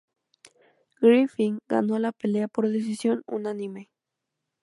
Griffin ganó la pelea por decisión unánime.